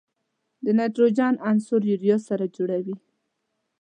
د نایتروجن عنصر یوریا سره جوړوي.